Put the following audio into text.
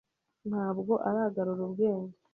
Ntabwo aragarura ubwenge.